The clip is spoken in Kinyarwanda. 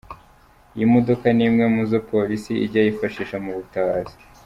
Iyi modoka ni imwe mo zo Polisi ijya yifashisha mu butabazi.